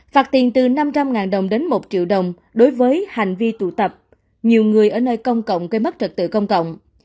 phạt tiền từ năm trăm linh đồng đến một triệu đồng đối với hành vi tụ tập nhiều người ở nơi công cộng gây mất trật tự công cộng